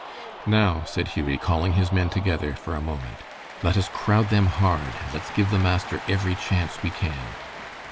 "Now," said Hughie, calling his men together for a moment, "let us crowd them hard, and let's give the master every chance we can."